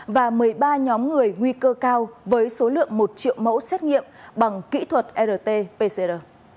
và một mươi ba nhóm người nguy cơ cao với số lượng một triệu mẫu xét nghiệm bằng kỹ thuật rt pcr